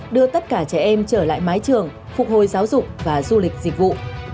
đưa tất cả trẻ em trở lại mái trường phục hồi giáo dục và du lịch dịch vụ